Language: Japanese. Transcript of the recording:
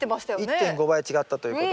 １．５倍違ったということで。